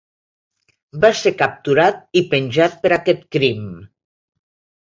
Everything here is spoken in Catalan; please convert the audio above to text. Va ser capturat i penjat per aquest crim.